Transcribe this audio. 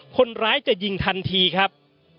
คนร้ายจะยิงทันทีครับ